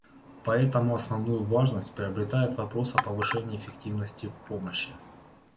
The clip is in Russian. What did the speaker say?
Поэтому основную важность приобретает вопрос о повышении эффективности помощи.